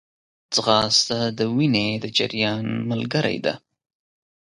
ځغاسته د وینې د جریان ملګری ده